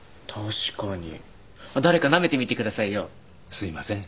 すいません。